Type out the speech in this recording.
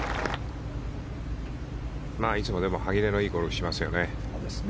いつも歯切れのいいゴルフをしますよね。